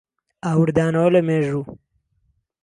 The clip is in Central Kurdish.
ئاوردانەوە لە مێژوو